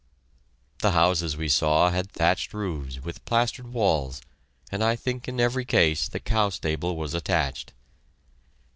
The houses we saw had thatched roofs, with plastered walls, and I think in every case the cow stable was attached.